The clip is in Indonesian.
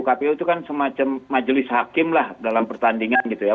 kpu itu kan semacam majelis hakim lah dalam pertandingan gitu ya